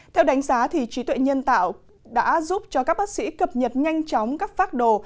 theo đánh giá trí tuệ nhân tạo đã giúp cho các bác sĩ cập nhật nhanh chóng các phác đồ